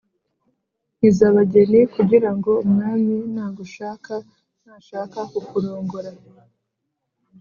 nk’iz’abageni kugira ngo umwami nagushaka, nashaka kukurongora,